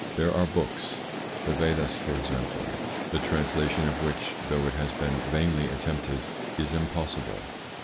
There are books, the Vedas for example, the translation of which, though it has been vainly attempted, is impossible.